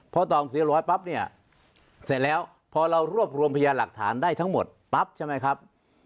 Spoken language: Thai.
พอตอง๔๐๐ปั๊บเนี่ยเสร็จแล้วพอเรารวบรวมพยานหลักฐานได้ทั้งหมดปั๊บใช่ไหมครับ